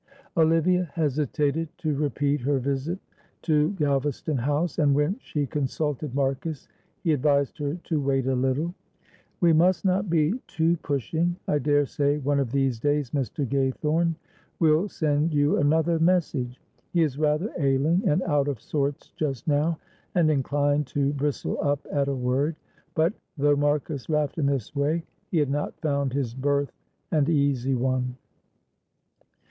Olivia hesitated to repeat her visit to Galvaston House, and when she consulted Marcus he advised her to wait a little. "We must not be too pushing. I daresay one of these days Mr. Gaythorne will send you another message. He is rather ailing and out of sorts just now, and inclined to bristle up at a word," but, though Marcus laughed in this way, he had not found his berth an easy one.